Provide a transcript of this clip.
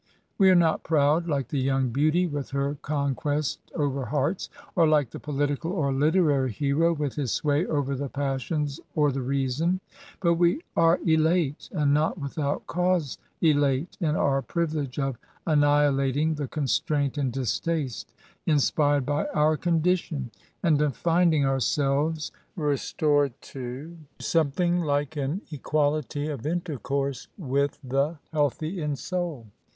We are not proud, like the young beauty with her conquest over hearts, or like the political or literary hero with his sway over the passions or the reason ; but we are elate— and not without cause — elate in our privilege of annihi lating the constraint and distaste inspired by our condition, and of finding ourselves restored to something like an equality of intercourse with the healthy in soul.